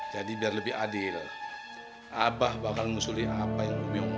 jadi biar lebih adil abah bakal ngusuli apa yang bubi ngomongin